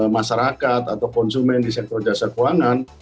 masyarakat atau konsumen di sektor jasa keuangan